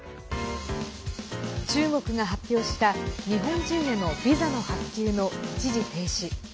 中国が発表した日本人へのビザの発給の一時停止。